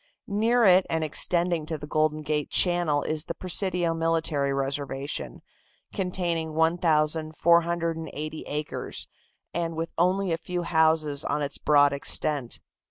Near it and extending to the Golden Gate channel is the Presidio military reservation, containing 1,480 acres, and with only a few houses on its broad extent.